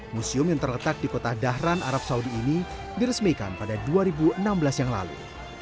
museum yang terletak di kota dahran arab saudi ini diresmikan pada dua ribu enam belas yang lalu